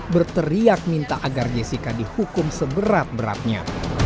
berteriak minta agar jessica dihukum seberat beratnya